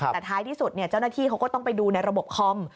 แต่ท้ายที่สุดเจ้าหน้าที่เขาก็ต้องไปดูในระบบคอม